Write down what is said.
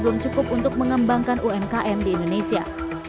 belum cukup untuk mengembangkan umkm di indonesia